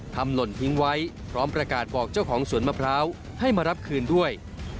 หล่นทิ้งไว้พร้อมประกาศบอกเจ้าของสวนมะพร้าวให้มารับคืนด้วย